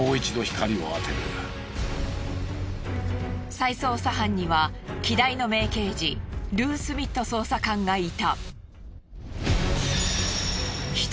再捜査班には希代の名刑事ルー・スミット捜査官がいた。